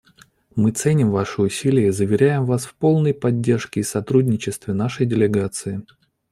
Мы ценим ваши усилия и заверяем вас в полной поддержке и сотрудничестве нашей делегации.